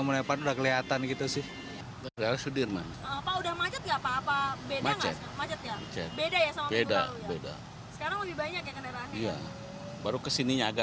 lebih macet ya